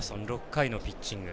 ６回のピッチング。